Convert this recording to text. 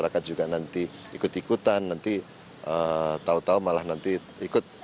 jangan sampai nanti ikut ikutan nanti tau tau malah nanti ikut